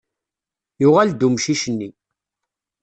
Yuɣal-d umcic-nni.